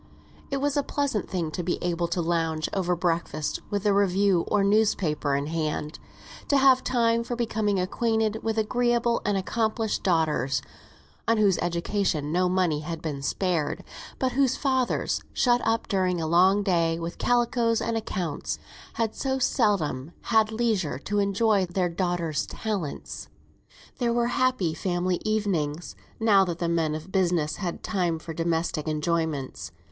It was a pleasant thing to be able to lounge over breakfast with a review or newspaper in hand; to have time for becoming acquainted with agreeable and accomplished daughters, on whose education no money had been spared, but whose fathers, shut up during a long day with calicoes and accounts, had so seldom had leisure to enjoy their daughters' talents. There were happy family evenings, now that the men of business had time for domestic enjoyments.